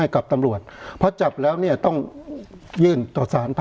คุณพ่อคุณพ่อคุณพ่อคุณพ่อ